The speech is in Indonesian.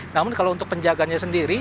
namun kalau untuk penjaganya sendiri